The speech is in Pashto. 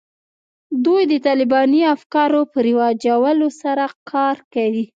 دوی د طالباني افکارو په رواجولو سره کار کوي